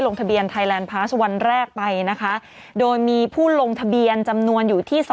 ลงทะเบียนไทยแลนดพาสวันแรกไปนะคะโดยมีผู้ลงทะเบียนจำนวนอยู่ที่๒